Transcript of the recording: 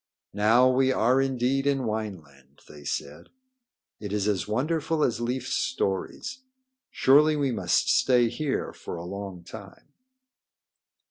"Now we are indeed in Wineland," they said. "It is as wonderful as Leif's stories. Surely we must stay here for a long time."